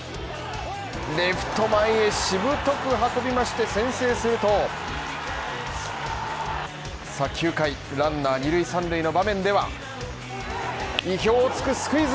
レフト前へしぶとく運びまして先制すると、９回、ランナー二塁・三塁の場面では意表を突くスクイズ。